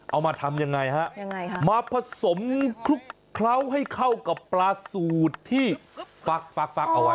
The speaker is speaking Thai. เอามาทำยังไงฮะยังไงคะมาผสมคลุกเคล้าให้เข้ากับปลาสูตรที่ฟักเอาไว้